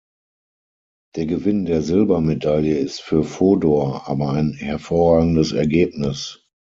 Der Gewinn der Silbermedaille ist für Fodor aber ein hervorragendes Ergebnis.